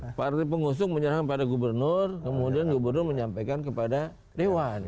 nah partai pengusung menyerahkan pada gubernur kemudian gubernur menyampaikan kepada dewan